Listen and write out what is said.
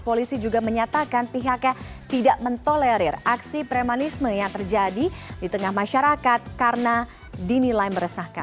polisi juga menyatakan pihaknya tidak mentolerir aksi premanisme yang terjadi di tengah masyarakat karena dinilai meresahkan